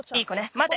まて！